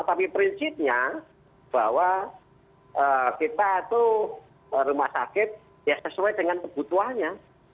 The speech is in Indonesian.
tapi prinsipnya bahwa kita itu rumah sakit ya sesuai dengan kebutuhannya